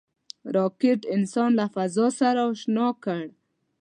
راکټ انسان له فضا سره اشنا کړ